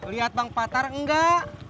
lihat bang patar enggak